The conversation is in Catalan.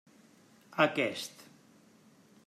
Aquest.